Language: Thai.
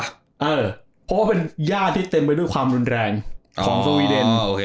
เพราะว่าเป็นย่าที่เต็มไปด้วยความรุนแรงของสวีเดน